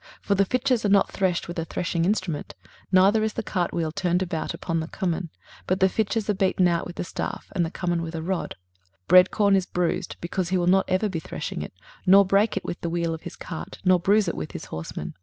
23:028:027 For the fitches are not threshed with a threshing instrument, neither is a cart wheel turned about upon the cummin; but the fitches are beaten out with a staff, and the cummin with a rod. 23:028:028 Bread corn is bruised; because he will not ever be threshing it, nor break it with the wheel of his cart, nor bruise it with his horsemen.